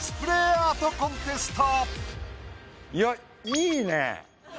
アートコンテスト。